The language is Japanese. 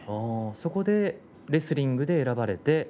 そこでレスリングで選ばれて。